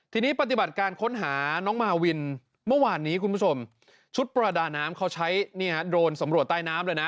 ทีนี้ปฏิบัติการค้นหาน้องมาวินเมื่อวานนี้คุณผู้ชมชุดประดาน้ำเขาใช้โดรนสำรวจใต้น้ำเลยนะ